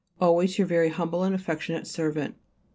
Always your very humble and affectionate servant.